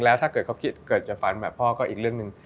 แล้วถ้าเกิดเขาคิดเกิดจะฝันแบบพ่อก็อีกเรื่องหนึ่ง